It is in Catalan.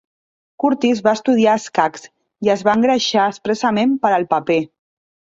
Curtis va estudiar escacs i es va engreixar expressament per al paper.